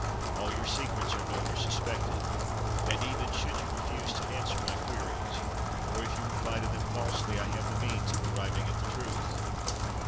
All your secrets are known or suspected—and, even should you refuse to answer my queries, or if you reply to them falsely, I have the means of arriving at the truth.